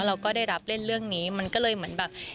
เราก็ได้รับเล่นเรื่องนี้มันก็เลยเหมือนแบบ